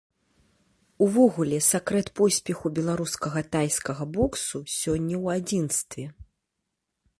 Увогуле сакрэт поспеху беларускага тайскага боксу сёння ў адзінстве.